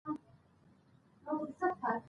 دا به څوک وي چي لا پايي دې بې بد رنګه دنیاګۍ کي